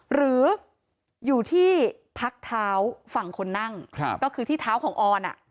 หรืออยู่ที่พักเท้าฝั่งคนนั่งก็คือที่เท้าของออน